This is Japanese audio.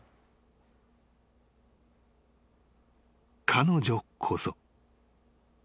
［彼女こそ］